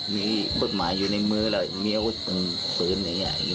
มีบุตรหมายอยู่ในมือมีอาวุธตรงฟื้นอย่างนี้